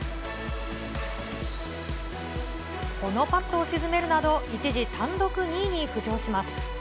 このパットを沈めるなど、一時、単独２位に浮上します。